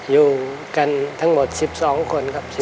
อยู่กันทั้งหมด๑๒คนครับ